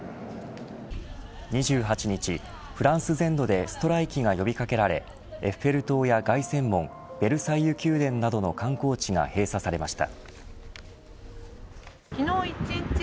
２８日、フランス全土でストライキが呼び掛けられエッフェル塔や凱旋門ベルサイユ宮殿などの観光地が閉鎖されました。